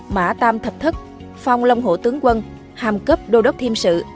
mã tam thạch thất phong long hổ tướng quân hàm cấp đô đốc thiêm sự